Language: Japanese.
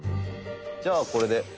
「じゃあこれで」